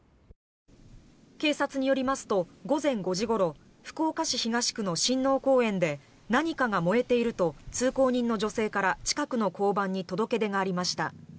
警察によりますと午前５時ごろ福岡市東区の親王公園で何かが燃えていると通行人の女性から近くの交番に届け出がありました。